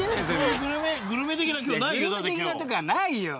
グルメ的なとかないよ。